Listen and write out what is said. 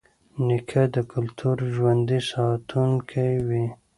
نیکه د کلتور ژوندي ساتونکی وي.